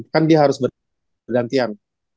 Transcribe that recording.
kan dia harus bergantian